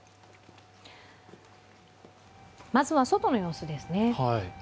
まずは外の様子です。